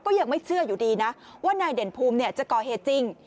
ก็ยังไม่เชื่ออยู่ดีนะว่านายเด่นภูมิจะก่อเหตุจริง